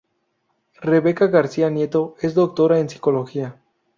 Rebeca García Nieto es doctora en Psicología.